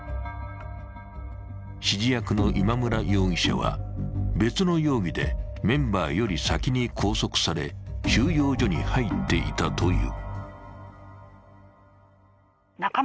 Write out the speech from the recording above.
指示役の今村容疑者は別の容疑でメンバーより先に拘束され収容所に入っていたという。